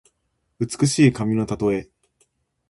美しい髪のたとえ。